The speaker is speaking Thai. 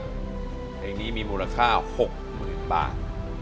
เพราะว่าเพลงนี้มีมูลค่า๖๐๐๐๐บาท